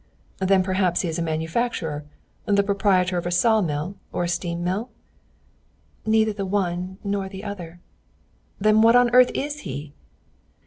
"Then perhaps he is a manufacturer, the proprietor of a saw mill or a steam mill?" "Neither the one nor the other." "Then what on earth is he?"